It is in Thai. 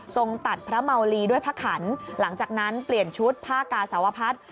ตัดพระเมาลีด้วยผ้าขันหลังจากนั้นเปลี่ยนชุดผ้ากาสาวพัฒน์